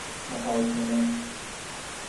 محاکمه